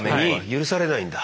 許されないんだ。